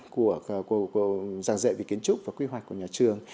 của giảng dạy về kiến trúc và quy hoạch của nhà trường